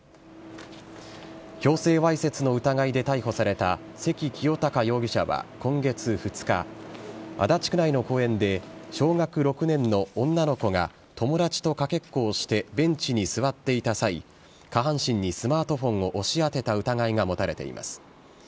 強制わいせつの疑いで逮捕された、関清貴容疑者は今月２日、足立区内の公園で小学６年の女の子が友達とかけっこをしてベンチに座っていた際、下半身にスマートフォンを押し当てた疑いが持たれています。